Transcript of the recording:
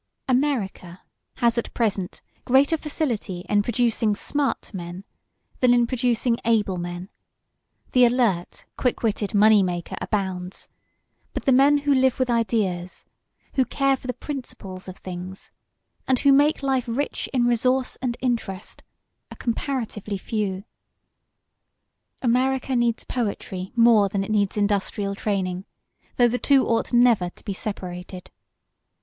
America has at present greater facility in producing "smart" men than in producing able men; the alert, quick witted, money maker abounds, but the men who live with ideas, who care for the principles of things, and who make life rich in resource and interest are comparatively few. America needs poetry more than it needs industrial training; though the two ought never to be separated.